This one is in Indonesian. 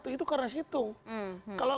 itu karena situng